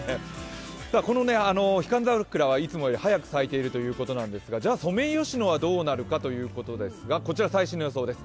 このひ寒桜はいつもよりも早く咲いているということなんですけれどもじゃあソメイヨシノはどうなるかということですが、こちら、最新の予想です。